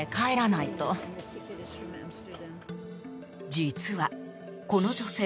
実はこの女性